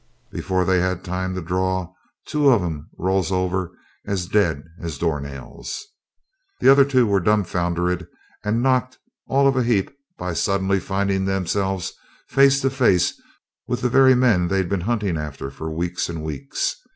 Before they'd time to draw, two of 'em rolls over as dead as door nails. The other two were dumbfoundered and knocked all of a heap by suddenly finding themselves face to face with the very men they'd been hunting after for weeks and weeks.